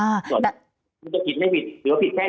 มันจะผิดไม่ผิดหรือว่าผิดแค่ไหน